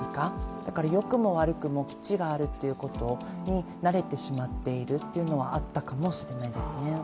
だから良くも悪くも基地があるってことに慣れてしまっているというのはあったかもしれないですね。